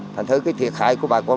thành thấy cái thiệt hại của bà con